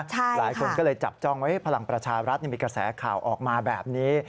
หลายคนก็เลยจับจ้องไว้พลังประชารัฐมีกระแสข่าวออกมาแบบนี้